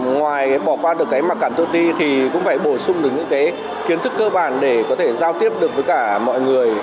ngoài bỏ qua được cái mặc cảm tự ti thì cũng phải bổ sung được những cái kiến thức cơ bản để có thể giao tiếp được với cả mọi người